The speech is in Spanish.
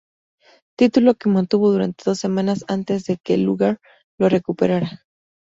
Título que mantuvo durante dos semanas antes de que Luger lo recuperara.